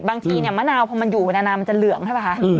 บางทีเนี่ยมะนาวพอมันอยู่ไปนานมันจะเหลืองใช่ป่ะคะ